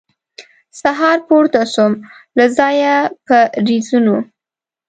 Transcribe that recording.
سهار پورته سوم له ځایه په رېزونو